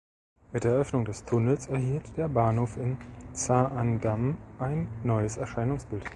Mit Eröffnung des Tunnels erhielt der Bahnhof in Zaandam ein neues Erscheinungsbild.